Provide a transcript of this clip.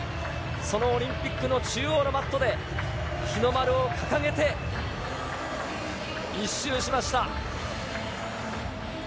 そのオリンピックの中央のマットで日の丸を掲げて１周しました。